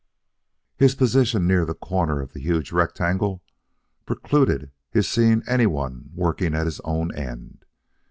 His position near the corner of the huge rectangle precluded his seeing anyone working at his own end.